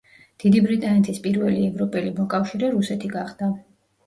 დიდი ბრიტანეთის პირველი ევროპელი მოკავშირე რუსეთი გახდა.